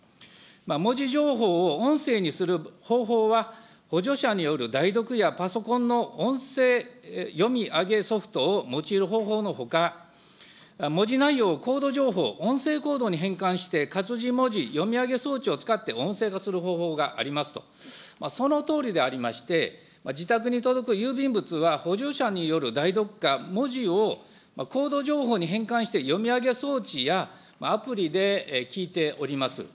文字情報を音声にする方法は、補助者による代読や、パソコンの音声読み上げソフトを用いる方法のほか、文字内容をコード情報、音声コードに変換して、活字文字読み上げ装置を使って音声化する方法がありますと、そのとおりでありまして、自宅に届く郵便物は、補助者による代読か、文字をコード情報に変換して、読み上げ装置やアプリで聞いております。